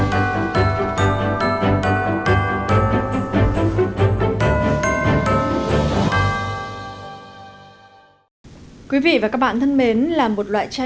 hi vọng thân mến các chị